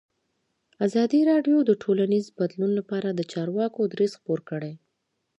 ازادي راډیو د ټولنیز بدلون لپاره د چارواکو دریځ خپور کړی.